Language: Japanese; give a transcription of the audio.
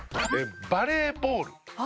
バレーボール。